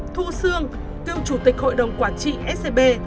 thu sương cựu chủ tịch hội đồng quản trị scb